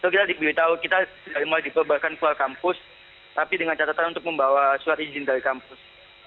kita diberitahu kita mau diperbolehkan keluar kampus tapi dengan catatan untuk membawa surat izin dari kampus